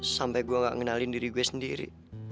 sampai gue gak ngenalin diri gue sendiri